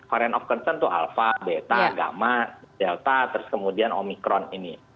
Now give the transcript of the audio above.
varian of concern itu alpha beta gamma delta terus kemudian omikron ini